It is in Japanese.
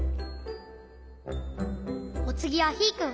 おつぎはヒーくん。